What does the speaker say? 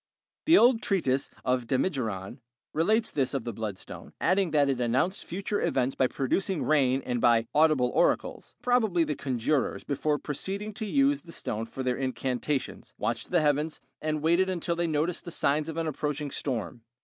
The old treatise of Damigeron relates this of the bloodstone, adding that it announced future events by producing rain and by "audible oracles." Probably the conjurors, before proceeding to use the stone for their incantations, watched the heavens and waited until they noticed the signs of an approaching storm.